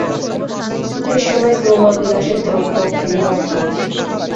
সুখের সময় সুরমা বিলাসের দ্রব্য, খেলিবার জিনিস।